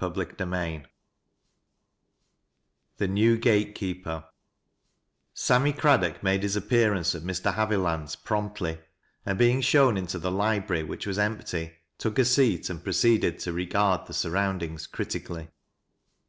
CMAPTEK XX THE NEW GATE KBEPER B AMMT Ceaddock made his appearance at Mr. Hadland'f pi<;mptly, and being shown into the library, which was empty, took a seat and proceeded to regard the snrroimd Lngs critically.